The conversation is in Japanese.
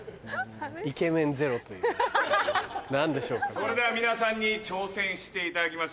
それでは皆さんに挑戦していただきましょう。